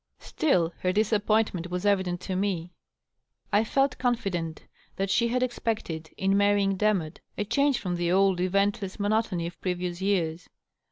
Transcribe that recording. Still, her disappointment was evident to me. I felt confident that she had 580 DOUGLAS DUANE, expected, in marrying Demotte, a change from the old eventless monot ony of previous years.